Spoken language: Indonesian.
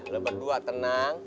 lo berdua tenang